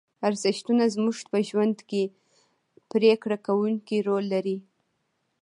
ارزښتونه زموږ په ژوند کې پرېکړه کوونکی رول لري.